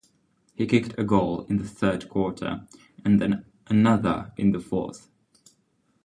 He kicked a goal in the third quarter and then another in the fourth.